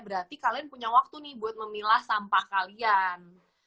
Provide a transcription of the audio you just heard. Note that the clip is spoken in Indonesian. berarti kalian punya waktu nih buat memilah sampah kalian